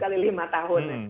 tujuh kali lima tahun